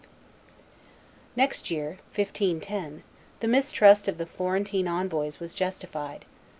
] Next year (1510) the mistrust of the Florentine envoys was justified.